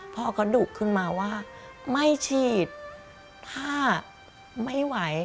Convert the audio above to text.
พ่อก็ดุขึ้นมาว่าไม่ฉีดถ้าไม่ไหว